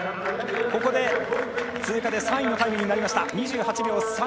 ここで通過で３位のタイムになりました。